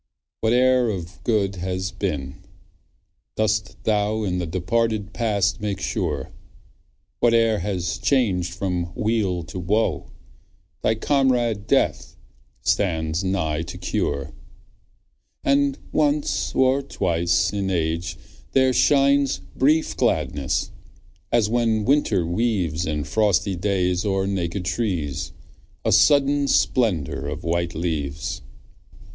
Whate'er of good as been, dost thou In the departed past make sure; Whate'er has changed from weal to woe, Thy comrade Death stands nigh to cure. And once or twice in age there shines Brief gladness, as when winter weaves In frosty days o'er naked trees, A sudden splendour of white leaves.